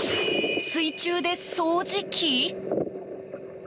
水中で掃除機？